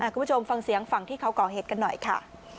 คุณผู้ชมฟังเสียงฝั่งที่เขาก่อเหตุกันหน่อยค่ะ